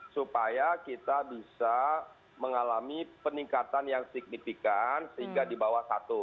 supaya kita bisa mengalami peningkatan yang signifikan sehingga di bawah satu